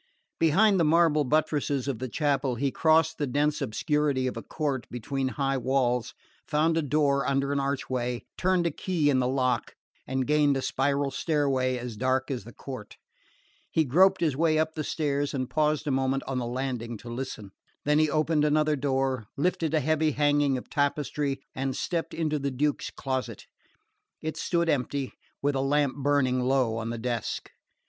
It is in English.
Behind the marble buttresses of the chapel, he crossed the dense obscurity of a court between high walls, found a door under an archway, turned a key in the lock, and gained a spiral stairway as dark as the court. He groped his way up the stairs and paused a moment on the landing to listen. Then he opened another door, lifted a heavy hanging of tapestry, and stepped into the Duke's closet. It stood empty, with a lamp burning low on the desk.